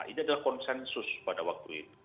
ini adalah konsensus pada waktu itu